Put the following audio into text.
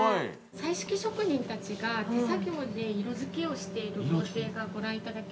◆彩色職人たちが手作業で色付けをしている工程がご覧いただけて。